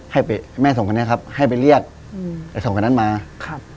ให้ไปแม่สองคนนี้ครับให้ไปเรียกอืมไปส่งคนนั้นมาครับ